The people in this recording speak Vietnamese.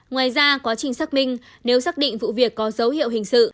ngoài ra quá trình xác minh nếu xác định vụ việc có dấu hiệu hình sự